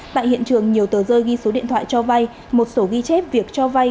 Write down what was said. tại hiện trường nhiều tờ rơi ghi số điện thoại cho vay một sổ ghi chép việc cho vay